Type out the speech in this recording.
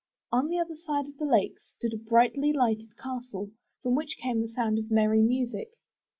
On the other side of the lake stood a brightly lighted castle, from which came the sound of merry music.